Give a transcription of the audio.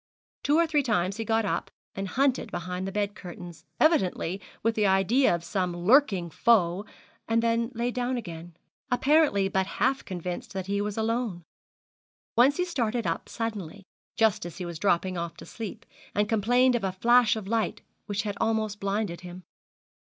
Two or three times he got up and hunted behind the bed curtains, evidently with the idea of some lurking foe, and then lay down again, apparently but half convinced that he was alone. Once he started up suddenly, just as he was dropping off to sleep, and complained of a flash of light which had almost blinded him.